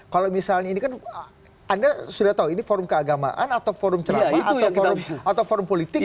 kalau misalnya ini kan anda sudah tahu ini forum keagamaan atau forum ceramah atau forum politik